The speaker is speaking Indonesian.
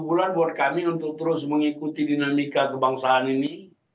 enam bulan buat kami untuk terus mengikuti dinamika kebangsaan ini